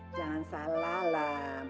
jangan salah lah